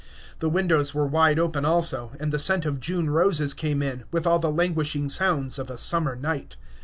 The windows were wide open also, and the scent of June roses came in, with all the languishing sounds of a summer night.